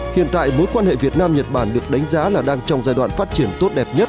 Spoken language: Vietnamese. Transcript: hiện tại mối quan hệ việt nam nhật bản được đánh giá là đang trong giai đoạn phát triển tốt đẹp nhất